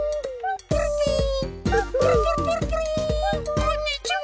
こんにちは。